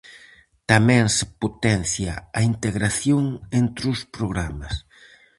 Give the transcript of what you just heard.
Tamén se potencia a integración entre os programas.